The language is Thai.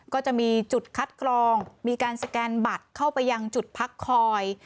ก็จะมีจุดคัดกรองมีการสแกนบัตรเข้าไปยังจุดพักคอย